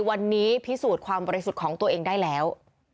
วันนี้พิสูจน์ความบริสุทธิ์ของตัวเองได้แล้ว